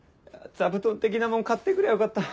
座布団的なもん買って来りゃよかった。